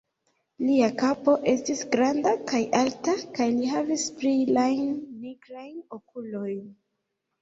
Lia kapo estis granda kaj alta, kaj li havis brilajn nigrajn okulojn.